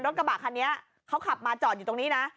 กระบะคันนี้เขาขับมาจอดอยู่ตรงนี้นะ